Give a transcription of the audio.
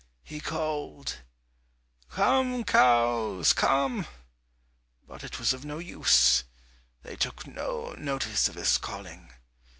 He called, "Come, cows, come," but it was of no use; they took no notice of his calling.